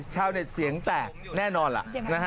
ชาวเน็ตเสียงแตกแน่นอนล่ะ